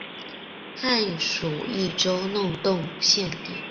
汉属益州弄栋县地。